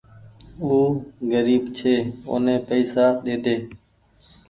او گريب ڇي اوني پئيسا ڏيڌي۔